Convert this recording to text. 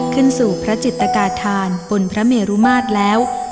ขึ้นสู่พระจิตกาธานบนพระเมรุมาตรแล้ว